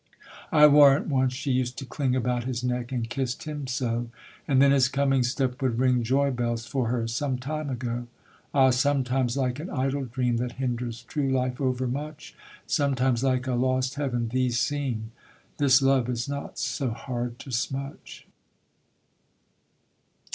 I warrant once she used to cling About his neck, and kiss'd him so, And then his coming step would ring Joy bells for her; some time ago. Ah! sometimes like an idle dream That hinders true life overmuch, Sometimes like a lost heaven, these seem. This love is not so hard to smutch.